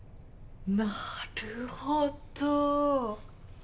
なるほど！